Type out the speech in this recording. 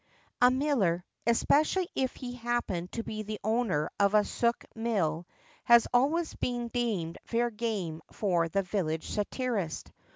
[A MILLER, especially if he happen to be the owner of a soke mill, has always been deemed fair game for the village satirist.